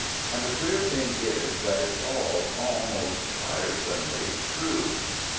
And the queer thing is that it's all, almost tiresomely, true.